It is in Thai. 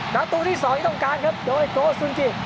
หน้าตู้ที่๒ต้องการครับโดยโกซินกิตร